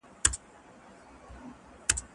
زه مخکي مېوې راټولې کړي وې!